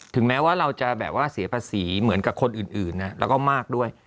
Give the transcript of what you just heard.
แม้ว่าเราจะแบบว่าเสียภาษีเหมือนกับคนอื่นนะแล้วก็มากด้วย